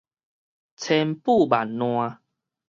千富萬爛